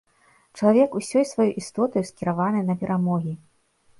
Чалавек усёй сваёй істотаю скіраваны на перамогі.